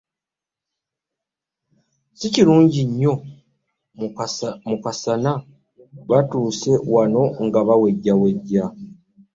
Ssi kirungi nnyo mu kasana baatuuse wano nga bawejjawejja.